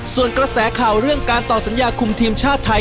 ส่วนกระแสข่าวเรื่องการต่อสัญญาคุมทีมชาติไทย